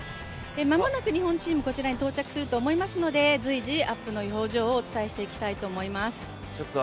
間もなく日本チーム、こちらに到着すると思いますので、随時、アップの表情をお伝えしていきたいと思います。